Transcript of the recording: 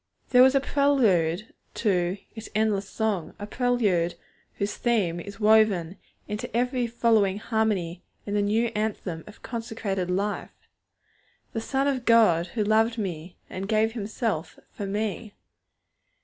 There was a prelude to its 'endless song,' a prelude whose theme is woven into every following harmony in the new anthem of consecrated life: 'The Son of God, who loved me, and gave Himself for me.'